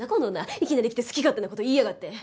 いきなり来て好き勝手な事言いやがって」。